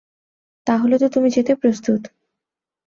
তাহলে তো তুমি যেতে প্রস্তুত।